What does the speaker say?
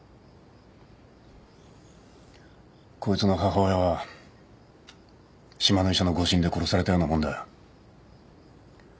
こいつの母親は島の医者の誤診で殺されたようなもんだ。